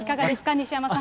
西山さん。